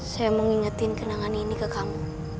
saya mau ngingetin kenangan ini ke kamu